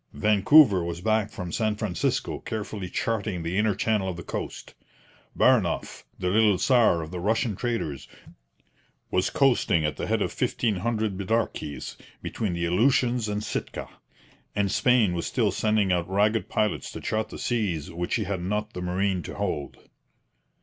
Vancouver was back from San Francisco carefully charting the inner channel of the coast. Baranoff, the little czar of the Russian traders, was coasting at the head of fifteen hundred 'bidarkies' between the Aleutians and Sitka; and Spain was still sending out ragged pilots to chart the seas which she had not the marine to hold.